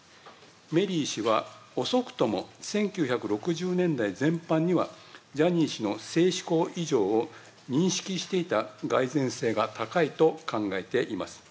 メリー氏は、遅くとも１９６０年代全般には、ジャニー氏の性しこう異常を認識していたがい然性が高いと考えています。